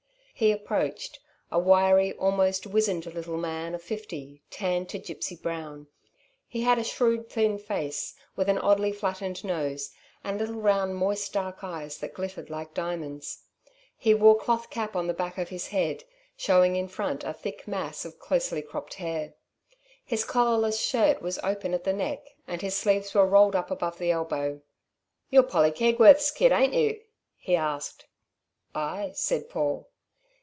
He approached, a wiry, almost wizened, little man of fifty, tanned to gipsy brown. He had a shrewd thin face, with an oddly flattened nose, and little round moist dark eyes that glittered like diamonds. He wore cloth cap on the back of his head, showing in front a thick mass of closely cropped hair. His collarless shirt was open at the neck and his sleeves were rolled up above the elbow. "You're Polly Kegworthy's kid, ain't you?" he asked. "Ay," said Paul.